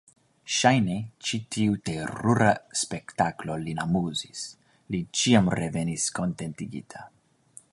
Ŝajne, ĉi tiu terura spektaklo lin amuzis: li ĉiam revenis kontentigita.